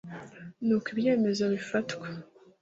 n uko ibyemezo bifatwa